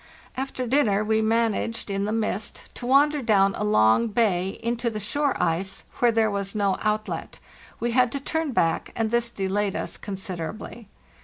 After dinner we managed, in the mist, to wander down a long bay into the shore ice, where there was no outlet; we had to turn back, and this delayed us considerably.